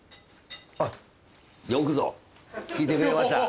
あっよくぞ聞いてくれました。